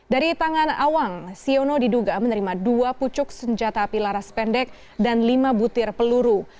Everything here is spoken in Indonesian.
dari tangan awang siono diduga menerima dua pucuk senjata api laras pendek dan lima butir peluru